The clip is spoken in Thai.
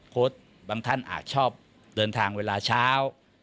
บางท่านอาจชอบเดินทางเวลาเช้า